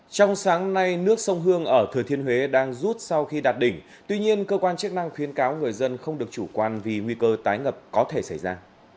trong sáng nay nước sông hương ở thừa thiên huế đang rút sau khi đạt đỉnh tuy nhiên cơ quan chức năng khuyến cáo người dân không được chủ quan vì nguy cơ tái ngập có thể xảy ra